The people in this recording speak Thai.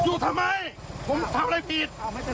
หยุดหยุด